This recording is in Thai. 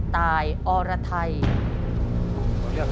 ตายอรไทย